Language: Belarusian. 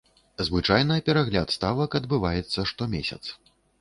Звычайна перагляд ставак адбываецца штомесяц.